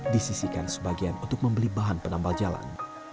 disisikan sebagian untuk membeli bahan penambal jalan